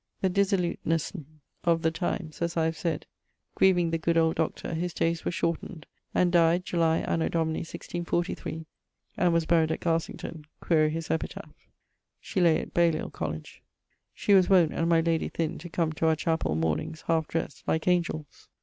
The dissolutenesse of the times, as I have sayd, grieving the good old Doctor, his dayes were shortned, and dyed anno Domini 1643, and was buried at Garsington: quaere his epitaph. [VIII.] lay at Balliol College. [IX.] She was wont, and my lady Thynne, to come to our Chapell, mornings, halfe dressd, like angells.